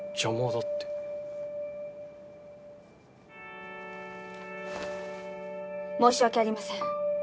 だって申し訳ありません